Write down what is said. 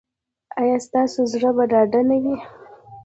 ایا ستاسو زړه به ډاډه نه وي؟